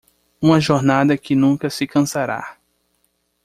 uma jornada que nunca se cansará